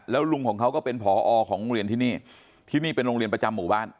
แล้วลุงของเขาก็เป็นผอของโรงเรียนที่นี่ที่นี่เป็นโรงเรียนประจำหมู่บ้าน